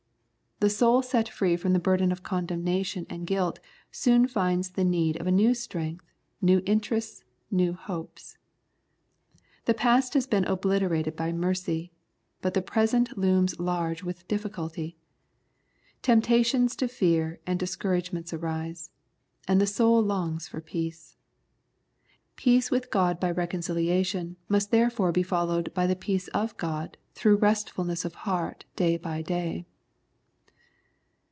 The soul set free from the burden of condemnation and guilt soon finds the need of a new strength, new interests, new hopes. The past has been obliterated by mercy, but the present looms large with difficulty. Temptations to fear and discouragement arise, and the soul longs for peace. Peace with God by reconciliation must therefore be followed by the peace of God through restfulness of heart day by day.